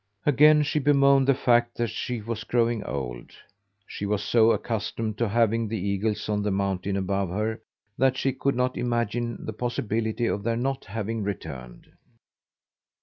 Again she bemoaned the fact that she was growing old. She was so accustomed to having the eagles on the mountain above her that she could not imagine the possibility of their not having returned.